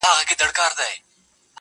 د تورو زلفو له ښامار سره مي نه لګیږي!!